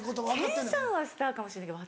健さんはスターかもしれないけど